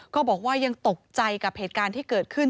ก็บอกว่ายังตกใจกับเหตุการณ์ที่เกิดขึ้น